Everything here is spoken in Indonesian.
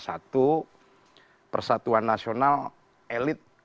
satu persatuan nasional elit